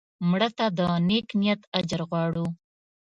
مړه ته د نیک نیت اجر غواړو